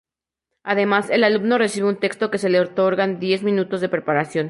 Además, el alumno recibe un texto y se le otorgan diez minutos de preparación.